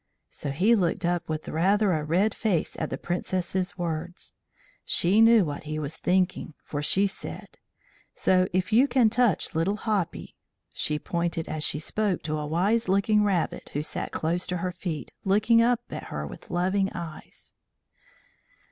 So he looked up with rather a red face at the Princess's words. She knew what he was thinking, for she said: "See if you can touch Little Hoppy." She pointed, as she spoke, to a wise looking rabbit who sat close to her feet, looking up at her with loving eyes.